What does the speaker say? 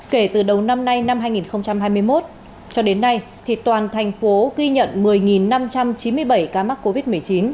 kể từ đầu năm nay năm hai nghìn hai mươi một cho đến nay toàn thành phố ghi nhận một mươi năm trăm chín mươi bảy ca mắc covid một mươi chín